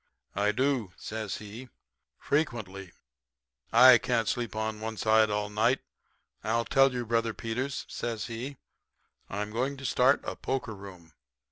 "'I do,' says he, 'frequently. I can't sleep on one side all night. I'll tell you, Brother Peters,' says he, 'I'm going to start a poker room.